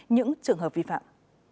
những trường hợp vi phạm